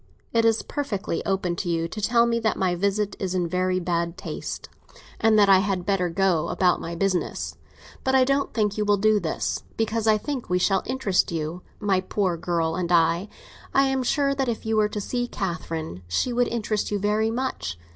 It is perfectly open to you to tell me that my visit is in very bad taste and that I had better go about my business. But I don't think you will do this; because I think we shall interest you, my poor girl and I. I am sure that if you were to see Catherine, she would interest you very much.